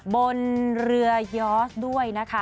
บนเรือยอสด้วยนะคะ